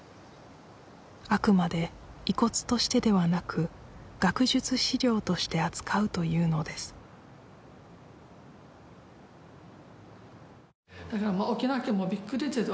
あくまで遺骨としてではなく学術資料として扱うというのです沖縄県もびっくりです